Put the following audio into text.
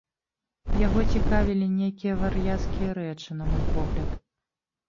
Яго цікавілі нейкія вар'яцкія рэчы, на мой погляд.